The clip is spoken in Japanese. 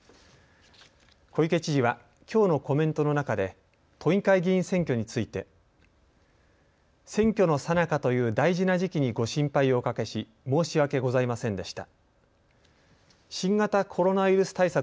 小池知事はきょうのコメントの中で都議会議員選挙について選挙のさなかという大事な時期にご心配をおかけし、申し訳ございませんでした。